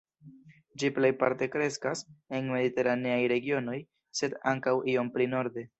Ĝi plejparte kreskas en Mediteraneaj regionoj, sed ankaŭ iom pli norde.